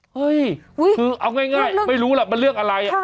เห้ยคือเอาง่ายไม่รู้ล่ะเรามาเลือกกันอะไร